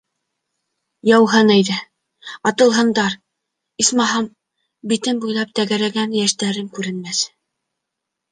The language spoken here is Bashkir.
Яуһын әйҙә, атылһындар, исмаһам, битем буйлап тәгәрәгән йәштәрем күренмәҫ...